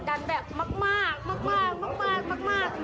คุณผู้ชมแม่น้ำหนึ่งเนี่ยระบายออกมาแบบอันอันที่สุด